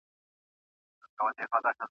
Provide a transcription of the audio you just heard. چا د غرونو چا د ښار خواته ځغستله .